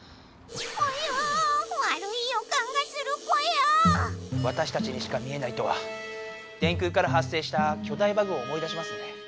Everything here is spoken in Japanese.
わたしたちにしか見えないとは電空からはっ生したきょ大バグを思い出しますね。